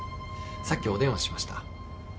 さっきお電話しました。